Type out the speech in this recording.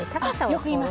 よく言いますね